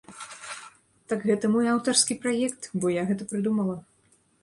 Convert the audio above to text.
Так гэта мой аўтарскі праект, бо я гэта прыдумала.